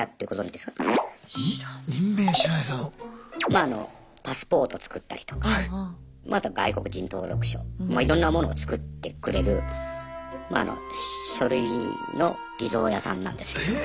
まああのパスポート作ったりとかまああとは外国人登録書いろんなものを作ってくれるまああの書類の偽造屋さんなんですけど。へえ！